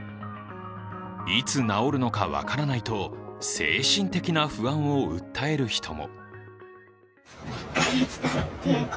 いつ治るのか分からないと精神的な不安を訴える人も。